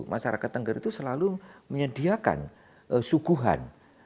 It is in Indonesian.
masyarakat tengger itu selalu menyediakan suguhan